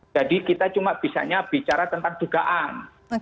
jadi kita cuma bisanya bicara tentang dugaan